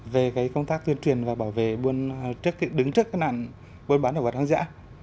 về cái công tác tuyên truyền và bảo vệ đứng trước cái nạn buôn bán động vật hoang dã